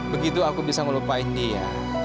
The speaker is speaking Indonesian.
begitu aku bisa melupain dia